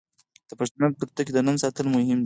د پښتنو په کلتور کې د نوم ساتل مهم دي.